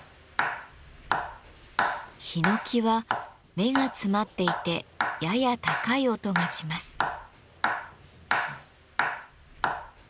ひのきは目が詰まっていてやや高い音がします。